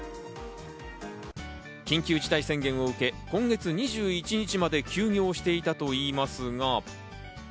緊急事態宣言を受け、今月２１日まで休業していたといいますが。